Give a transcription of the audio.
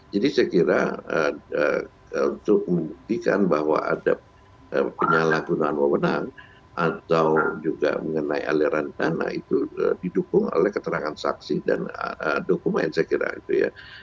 jadi saya kira untuk membuktikan bahwa ada penyalahgunaan wawonan atau juga mengenai aliran dana itu didukung oleh keterangan saksi dan dokumen saya kira itu ya